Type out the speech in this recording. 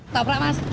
tau gak mas